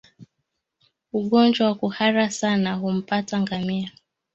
Ugonjwa wa kuhara sana humpata ngamia